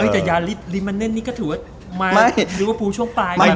เออแต่ยาริลิมาเนสนี้ก็ถือไม่มาหรือว่าภูมิช่วงปลาย